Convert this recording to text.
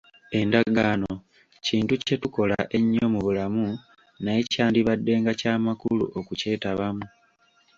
Endagaano kintu kye tukola ennyo mu bulamu naye kyandibaddenga kya makulu okukyetabamu.